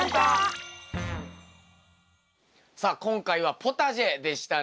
さあ今回はポタジェでしたね。